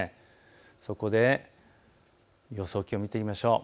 そこで予想気温を見ていきましょう。